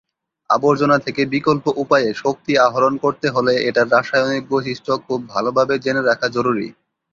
আবর্জনা থেকে বিকল্প উপায়ে শক্তি আহরণ করতে হলে এটার রাসায়নিক বৈশিষ্ট খুব ভালভাবে জেনে রাখা জরুরী।